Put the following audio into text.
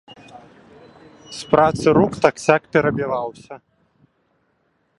З працы рук так-сяк перабіваўся.